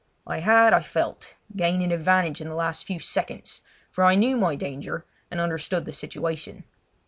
I had, I felt, gained an advantage in the last few seconds, for I knew my danger and understood the situation.